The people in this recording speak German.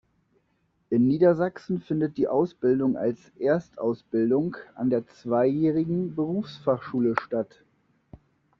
In Niedersachsen findet die Ausbildung als Erstausbildung an der zweijährigen Berufsfachschule statt.